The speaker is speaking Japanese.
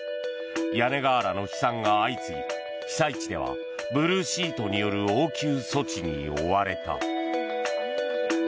屋根瓦の飛散が相次ぎ被災地ではブルーシートによる応急措置に追われた。